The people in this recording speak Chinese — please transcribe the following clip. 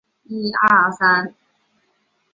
他的次子傅吉安曾在成功大学就读并学习中文。